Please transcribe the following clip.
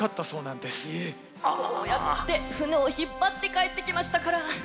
こうやって舟を引っ張って帰ってきましたから。